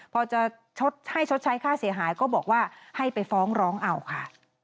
พอจะชดให้ชดใช้ค่าเสียหายก็บอกว่าให้ไปฟ้องร้องเอาค่ะ